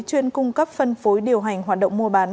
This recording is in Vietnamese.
chuyên cung cấp phân phối điều hành hoạt động mua bán